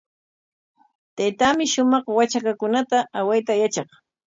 Taytaami shumaq watrakukunata awayta yatraq.